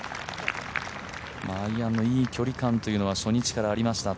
アイアンのいい距離感というのは最初からありました。